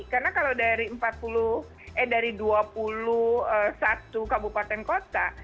karena kalau dari dua puluh satu kabupaten kota